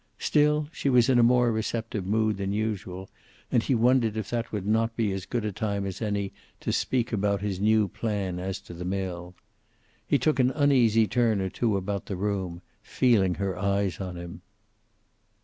Still, she was in a more receptive mood than usual, and he wondered if that would not be as good a time as any to speak about his new plan as to the mill. He took an uneasy turn or two about the room, feeling her eyes on him.